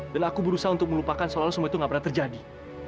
dan aku berusaha untuk melupakan soalnya semua itu gak pernah terjadi